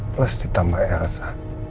plus ditambah elsa